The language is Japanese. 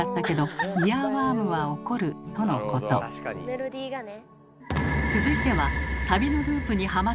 メロディーがね。